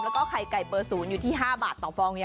แล้วก็ไข่ไก่เบอร์๐อยู่ที่๕บาทต่อฟอง